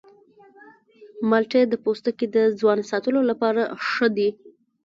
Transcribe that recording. مالټې د پوستکي د ځوان ساتلو لپاره ښه دي.